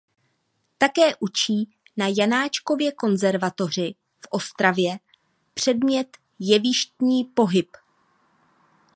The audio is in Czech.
Také učí na Janáčkově konzervatoři v Ostravě předmět jevištní pohyb.